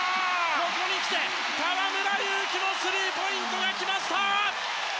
ここに来て河村勇輝もスリーポイントが来ました。